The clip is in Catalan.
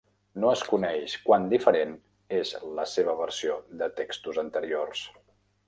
No es coneix quant diferent és la seva versió de textos anteriors.